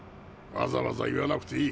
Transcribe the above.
わざわざ言わなくていい。